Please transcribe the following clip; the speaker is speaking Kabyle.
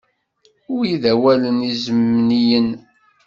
Wi d awalen izemniyen.